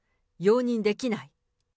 容認できない。